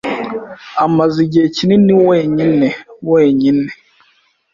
amaze igihe kinini wenyine wenyine.